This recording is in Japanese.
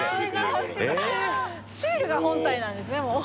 シールが本体なんですねもう。